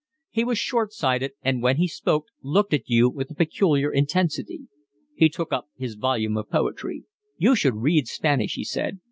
He was short sighted and when he spoke looked at you with a peculiar intensity. He took up his volume of poetry. "You should read Spanish," he said.